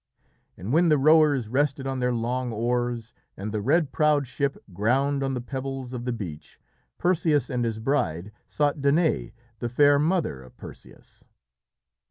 And when the rowers rested on their long oars, and the red prowed ship ground on the pebbles of the beach, Perseus and his bride sought Danaë, the fair mother of Perseus.